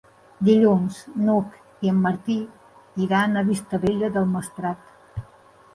Dilluns n'Hug i en Martí iran a Vistabella del Maestrat.